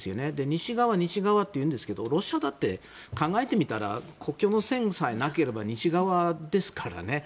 西側西側っていうんですけどロシアだって考えてみたら国境の線さえなければ西側ですからね。